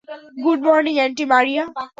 Good morning, aunty Maria.